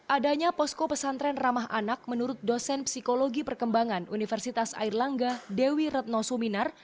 adanya posko pesantren ramah anak menurut dosen psikologi perkembangan universitas airlangga dewi retno suminar